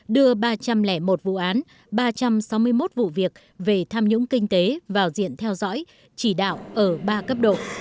đưa ba trăm linh một vụ án ba trăm sáu mươi một vụ việc về tham nhũng kinh tế vào diện theo dõi chỉ đạo ở ba cấp độ